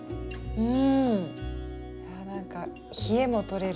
うん。